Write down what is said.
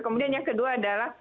kemudian yang kedua adalah